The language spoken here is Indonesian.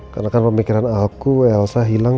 karena kan pemikiran aku elsa hilang